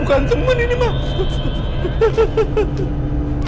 bukan teman ini pak